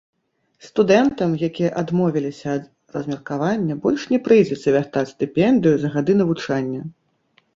Студэнтам, якія адмовіліся ад размеркавання, больш не прыйдзецца вяртаць стыпендыю за гады навучання.